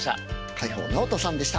海宝直人さんでした。